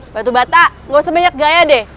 batu bata gak usah banyak gaya deh